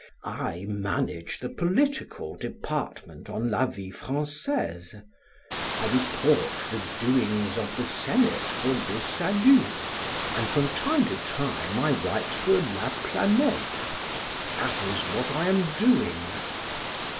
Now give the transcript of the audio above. "I manage the political department on 'La Vie Francaise'; I report the doings of the Senate for 'Le Salut,' and from time to time I write for 'La Planete.' That is what I am doing."